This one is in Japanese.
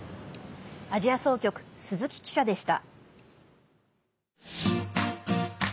アジア総局鈴木記者でした。